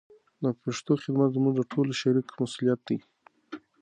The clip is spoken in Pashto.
د پښتو خدمت زموږ د ټولو شریک مسولیت دی.